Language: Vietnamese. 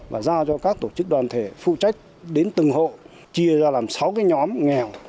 và giao cho các tổ chức đoàn thể phụ trách đến từng hộ chia ra làm sáu cái nhóm nghèo